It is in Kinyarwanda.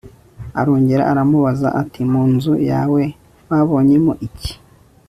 arongera aramubaza ati mu nzu yawe babonyemo iki